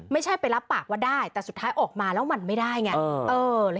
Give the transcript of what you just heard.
ไม่ใช่ไปรับปากว่าได้แต่สุดท้ายออกมาแล้วมันไม่ได้ไง